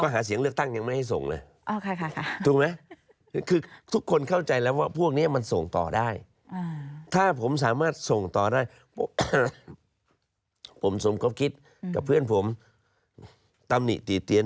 ก็หาเสียงเลือกตั้งยังไม่ให้ส่งเลย